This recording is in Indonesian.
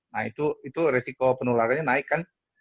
nah itu resiko penularannya naik kan